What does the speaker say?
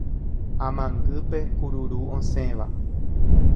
Amangýpe kururu osẽva